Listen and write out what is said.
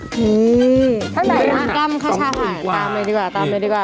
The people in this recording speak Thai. ข้าวไหนมากตามหนูดีกว่า